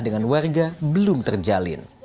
dengan warga belum terjalin